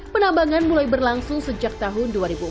penambangan mulai berlangsung sejak tahun dua ribu empat